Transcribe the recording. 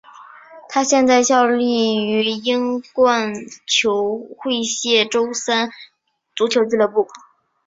他现在效力于英冠球会谢周三足球俱乐部。